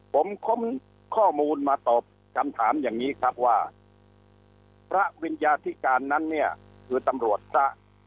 ผมคมข้อมูลมาตอบคำถามอย่างนี้ครับว่าพระวิญญาธิการนั้นเนี่ยคือตำรวจพระ